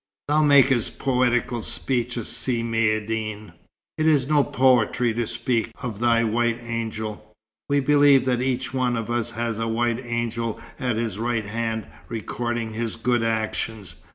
"Thou makest poetical speeches, Si Maïeddine." "It is no poetry to speak of thy white angel. We believe that each one of us has a white angel at his right hand, recording his good actions.